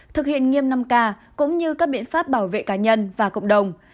thực hiện nghiêm năm k cũng như các biện pháp bảo vệ cá nhân và cộng đồng